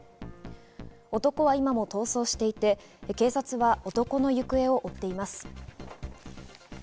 男は今も逃走していて、警察は男の行方を追っています。